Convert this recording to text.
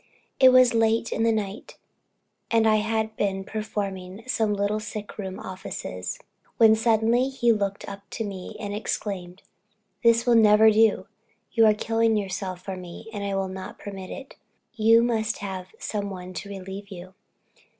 It was late in the night, and I had been performing some little sick room offices, when suddenly he looked up to me, and exclaimed, "This will never do! You are killing yourself for me, and I will not permit it You must have some one to relieve you.